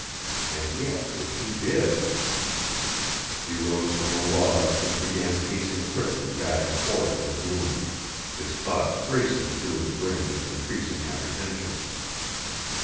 And yet if she did He rose from the log and began pacing quickly back and forth in the gloom, his thoughts racing through his brain with increasing apprehension.